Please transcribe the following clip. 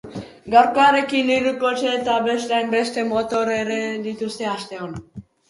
Gaurkoarekin, hiru kotxe eta beste hainbeste motor erre dituzte asteon.